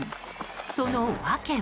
その訳は。